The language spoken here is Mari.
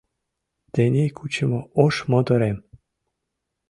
Тений кучымо ош моторем